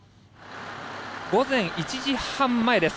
午前１時半前です。